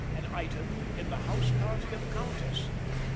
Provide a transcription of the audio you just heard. —an item in the house party of a countess.